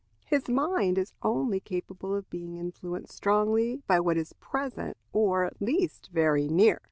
His mind is only capable of being influenced strongly by what is present, or, at least, very near.